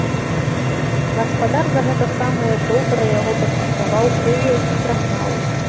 Гаспадар за гэта самае добра яго пачаставаў пугай і прагнаў.